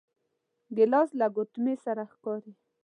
ګیلاس له ګوتمې سره ښکاري.